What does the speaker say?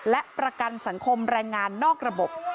และประกันสังคมแรงงานนอกระบบ